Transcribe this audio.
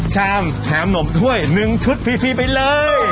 ชามแถมหนมถ้วย๑ชุดฟรีไปเลย